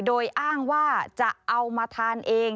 โดยอ้างว่าจะเอามาทานเอง